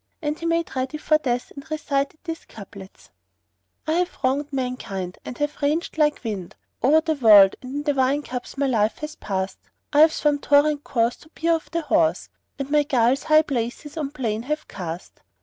And he made ready for death and recited these couplets, "I have wronged mankind, and have ranged like wind * O'er the world, and in wine cups my life has past: I've swum torrent course to bear off the horse; * And my guiles high places on plain have cast.